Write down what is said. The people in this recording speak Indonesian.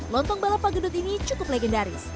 lontong bala pak gendut ini cukup legendaris